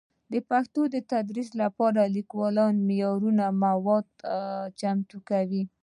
د پښتو د تدریس لپاره لیکوالان معیاري مواد نه چمتو کوي.